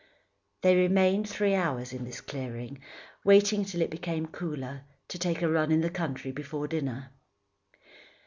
They remained three hours in this clearing, waiting until it became cooler, to take a run in the country before dinner.